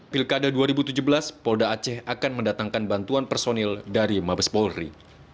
pilkada dua ribu tujuh belas polda aceh akan mendatangkan bantuan personil dari mabes polri